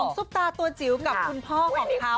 ซุปตาตัวจิ๋วกับคุณพ่อของเขา